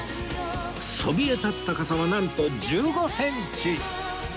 そびえ立つ高さはなんと１５センチ！